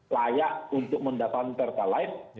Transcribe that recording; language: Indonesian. layak untuk mendapatkan pertalat